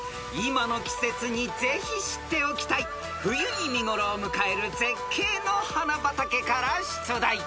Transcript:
［今の季節にぜひ知っておきたい冬に見頃を迎える絶景の花畑から出題］